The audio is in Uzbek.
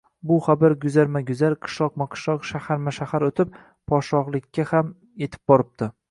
Bu xabar guzarma-guzar, qishloqma-qishloq, shaharma-shahar o‘tib, podshohlikka ham yetib boribdi